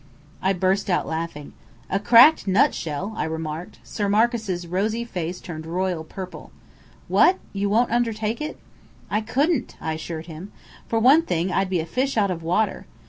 I burst out laughing. "A cracked nutshell," I remarked. Sir Marcus' rosy face turned royal purple. "What you won't undertake it?" "I couldn't," I assured him. "For one thing, I'd be a fish out of water.